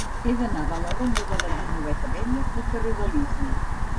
He d'anar de la ronda de la Guineueta Vella al carrer d'Ifni.